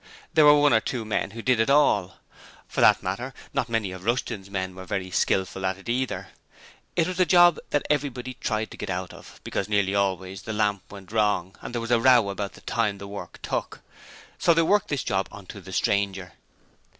There were one or two men who did it all. For that matter, not many of Rushton's men were very skilful at it either. It was a job everybody tried to get out of, because nearly always the lamp went wrong and there was a row about the time the work took. So they worked this job on to the stranger.